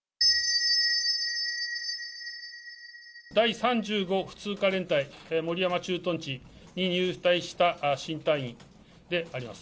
第３５普通科連隊守山駐屯地に入隊した新隊員であります。